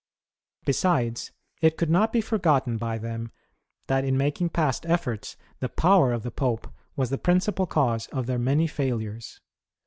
61 Besides, it could not be forgotten by them, that in making past efforts the power of the Pope was the principal cause of tlieir many failures.